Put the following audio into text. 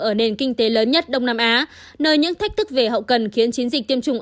ở nền kinh tế lớn nhất đông nam á nơi những thách thức về hậu cần khiến chiến dịch tiêm chủng